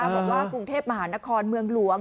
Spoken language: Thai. บอกว่ากรุงเทพมหานครเมืองหลวง